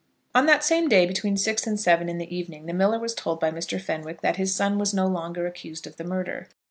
On that same day, between six and seven in the evening, the miller was told by Mr. Fenwick that his son was no longer accused of the murder.